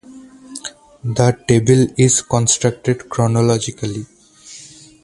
The table is constructed chronologically.